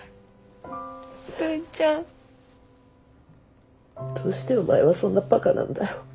文ちゃん。どうしてお前はそんなばかなんだよ。